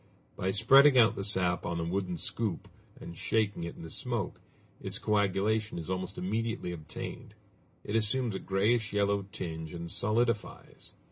By spreading out the sap on a wooden scoop, and shaking it in the smoke, its coagulation is almost immediately obtained; it assumes a grayish yellow tinge and solidifies.